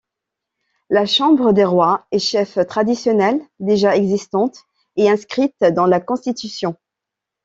La Chambre des rois et chefs traditionnels, déjà existante, est inscrite dans la constitution.